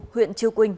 huyện chư quynh